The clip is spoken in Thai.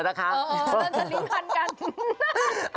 เออเริ่มจะลิงคันกัน